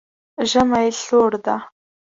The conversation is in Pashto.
ژمی سوړ ده